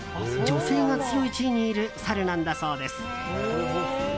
女性が強い地位にいるサルなんだそうです。